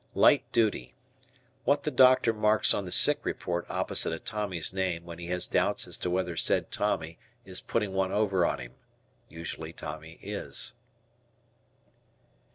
"Light Duty." What the doctor marks on the sick report opposite a Tommy's name when he has doubts as to whether said Tommy is putting one over on him. Usually Tommy is.